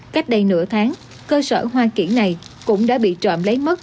cách đây nửa tháng cơ sở hoa kiển này cũng đã bị trộm lấy mất